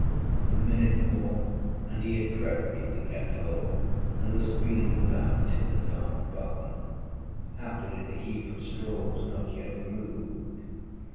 A minute more and he had crept through the cat hole, and was feeling about in the dark barn. Happily the heap of straw was not yet removed.